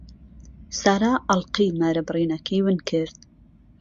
سارا ئەڵقەی مارەبڕینەکەی ون کرد.